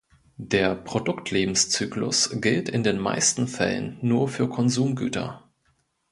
Der Produktlebenszyklus gilt in den meisten Fällen nur für Konsumgüter.